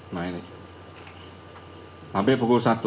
sampai pukul satu